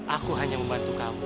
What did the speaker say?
aku hanya membantu kamu